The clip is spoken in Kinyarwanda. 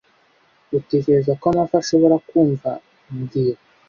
Utekereza ko amafi ashobora kumva mbwira